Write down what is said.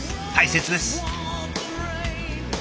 大切です。